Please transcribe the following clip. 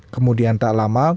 kemudian tak lama